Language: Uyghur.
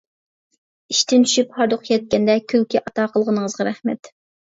ئىشتىن چۈشۈپ ھاردۇق يەتكەندە، كۈلكە ئاتا قىلغىنىڭىزغا رەھمەت!